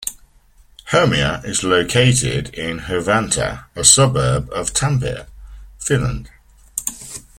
Hermia is located in Hervanta, a suburb of Tampere, Finland.